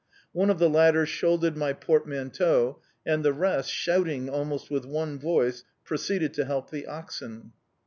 One of the latter shouldered my portmanteau, and the rest, shouting almost with one voice, proceeded to help the oxen.